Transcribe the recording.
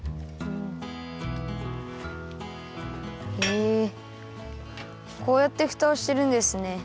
へえこうやってふたをしてるんですね。